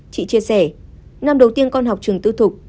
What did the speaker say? chị chia sẻ năm đầu tiên con học trường tư thục